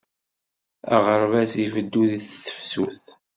Aɣerbaz ibeddu deg tefsut.